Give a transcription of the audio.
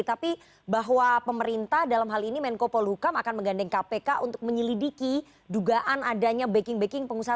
tapi bahwa pemerintah dalam hal ini menko polhukam akan menggandeng kpk untuk menyelidiki dugaan adanya backing backing pengusaha